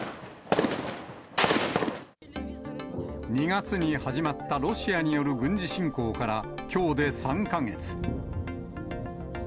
２月に始まったロシアによる軍事侵攻から、きょうで３か月。